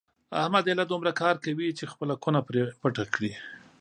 احمد ایله دومره کار کوي چې خپله کونه پرې پټه کړي.